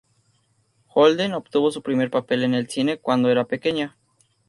Holden obtuvo su primer papel en el cine cuando era pequeña.